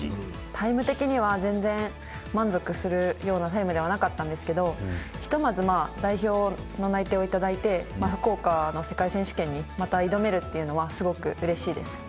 タイム的には全然満足するようなタイムではなかったんですけどひとまずまあ代表の内定を頂いて福岡の世界選手権にまた挑めるっていうのはすごく嬉しいです。